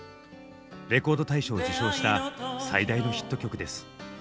レコード大賞を受賞した最大のヒット曲です。